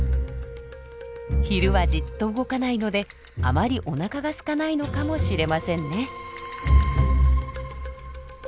昼はじっと動かないのであまりおなかがすかないのかもしれませんね。